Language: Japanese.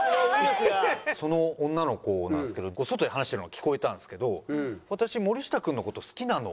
その女の子なんですけど外で話してるのが聞こえたんですけど「私森下君の事好きなの」って。